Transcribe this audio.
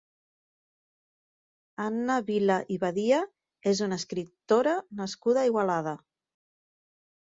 Anna Vila i Badia és una escriptora nascuda a Igualada.